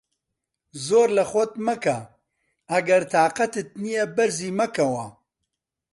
زۆر لە خۆت مەکە، ئەگەر تاقەتت نییە بەرزی مەکەوە.